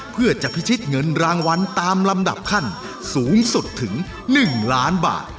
เพื่อจะพิชิตเงินรางวัลตามลำดับขั้นสูงสุดถึง๑ล้านบาท